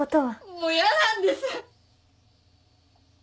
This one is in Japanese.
もう嫌なんです！